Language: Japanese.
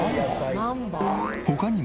他にも。